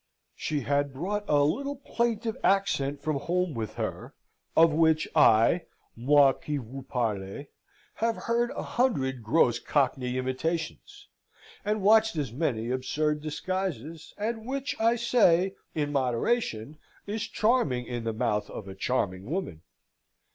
She had brought a little plaintive accent from home with her of which I, moi qui vous parle, have heard a hundred gross Cockney imitations, and watched as many absurd disguises, and which I say (in moderation) is charming in the mouth of a charming woman.